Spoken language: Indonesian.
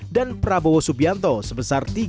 dan prabowo subianto hanya sebesar lima persen